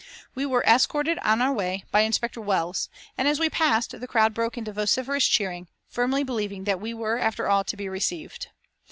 We were escorted on our way by Inspector Wells, and as we passed the crowd broke into vociferous cheering, firmly believing that we were after all to be received.